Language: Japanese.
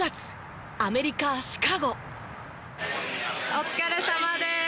お疲れさまです。